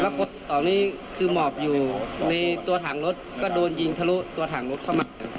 สองนี่คือหมอบอยู่ในตัวถังรถก็โดนยิงทะลุตัวถังรถเข้ามา